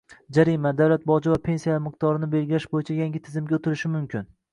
Jarima, davlat boji va pensiyalar miqdorini belgilash boʻyicha yangi tizimga oʻtilishi mumkin.